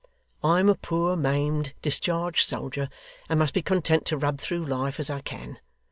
I am a poor, maimed, discharged soldier, and must be content to rub through life as I can.